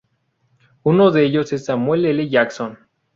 Uno de ellos es Samuel L. Jackson.